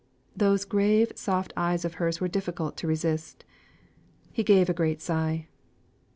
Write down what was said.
Those grave soft eyes of hers were difficult to resist. He gave a great sigh.